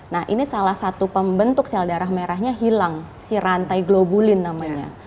nah ini salah satu pembentuk sel darah merahnya hilang si rantai globulin namanya